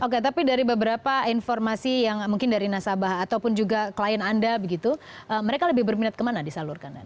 oke tapi dari beberapa informasi yang mungkin dari nasabah ataupun juga klien anda begitu mereka lebih berminat kemana disalurkan